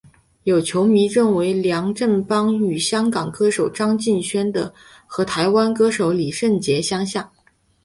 有球迷认为梁振邦与香港歌手张敬轩和台湾歌手李圣杰相像。